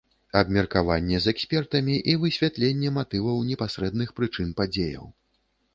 Абмеркаванне з экспертамі і высвятленне матываў і непасрэдных прычын падзеяў.